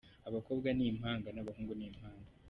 Abakobwa ni impanga n'abahungu ni impanga,.